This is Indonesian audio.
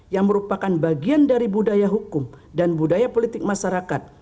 yang merupakan bagian dari budaya hukum dan budaya politik masyarakat